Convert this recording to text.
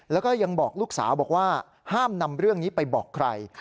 แล้วก็ยังบอกลูกสาวบอกว่าห้ามนำเรื่องนี้ไปบอกใคร